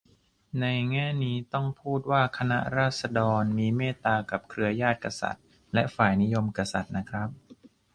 ในแง่นี้ ต้องพูดว่าคณะราษฎรมีเมตตากับเครือญาติกษัตริย์และฝ่ายนิยมกษัตริย์นะครับ